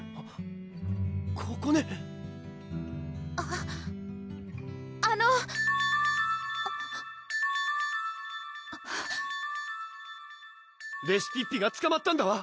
ここねああのレシピッピがつかまったんだわ！